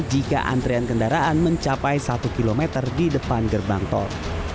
jika antrian kendaraan mencapai satu km di depan gerbang tol